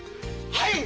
はい！